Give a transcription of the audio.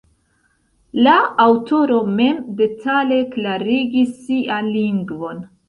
La aŭtoro mem detale klarigis sian lingvon.